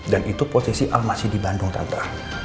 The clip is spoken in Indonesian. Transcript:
dan itu posisi al masih di bandung tanta